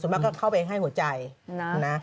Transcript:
ส่วนมากก็เข้าไปให้หัวใจนะ